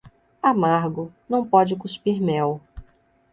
Amargo, não pode cuspir mel.